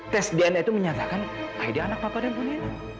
tes dna itu menyatakan aida anak papa itu benar benar benar pak